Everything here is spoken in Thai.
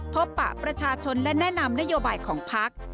ปะประชาชนและแนะนำนโยบายของพัก